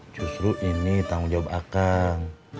justru ini tanggung jawab akan